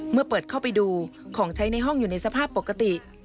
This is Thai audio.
เมื่อเปิดเข้าไปดูของใช้ในห้องอยู่ในสภาพปกติ